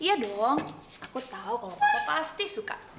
iya dong aku tahu kalau puasa pasti suka